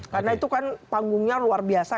karena itu kan panggungnya luar biasa